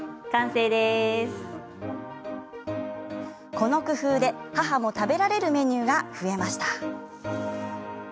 この工夫で母も食べられるメニューが増えました。